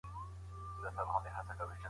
خوشحاله ټولنه د مطالعې په برکت جوړېږي.